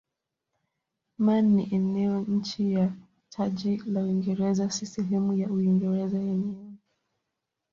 Man ni eneo chini ya taji la Uingereza si sehemu ya Uingereza yenyewe.